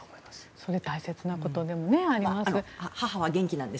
それ大切なことでもあります。